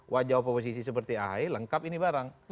wajah oposisi seperti ahi lengkap ini barang